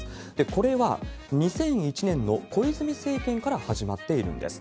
これは２００１年の小泉政権から始まっているんです。